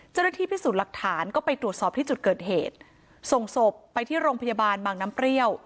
เจ้าหน้าที่พิสูจน์หลักฐานก็ไปตรวจสอบที่จุดเกิดเหตุส่งศพไปที่โรงพยาบาลบางน้ำเปรี้ยว